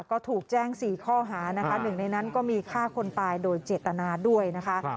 ก็ถูกแจ้ง๔ข้อหานะคะหนึ่งในนั้นก็มีฆ่าคนตายโดยเจตนาด้วยนะคะ